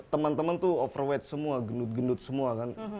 teman teman tuh overweight semua gendut gendut semua kan